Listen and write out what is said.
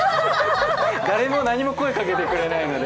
誰も何も声をかけてくれないので。